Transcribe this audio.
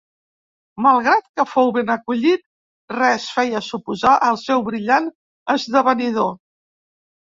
Malgrat que fou ben acollit, res feia suposar el seu brillant esdevenidor.